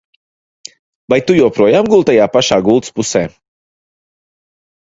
Vai tu joprojām guli tajā pašā gultas pusē?